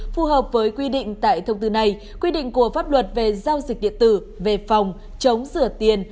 phù hợp với quy định tại thông tư này quy định của pháp luật về giao dịch điện tử về phòng chống rửa tiền